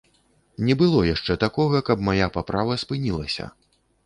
Не было яшчэ такога, каб мая паправа спынілася.